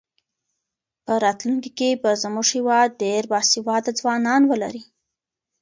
په راتلونکي کې به زموږ هېواد ډېر باسواده ځوانان ولري.